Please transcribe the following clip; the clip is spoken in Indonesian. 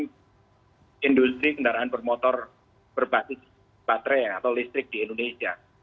terus ini juga bisa diangkat ke industri kendaraan bermotor berbatis baterai atau listrik di indonesia